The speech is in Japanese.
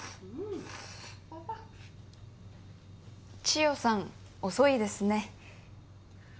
千代さん遅いですね。